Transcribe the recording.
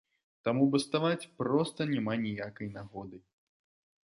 Таму баставаць проста няма ніякай нагоды!